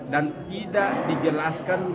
dan tidak dijelaskan